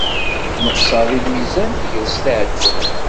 Neqseɣ deg lmizan tagrest iɛeddan.